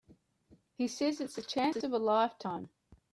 He says it's the chance of a lifetime.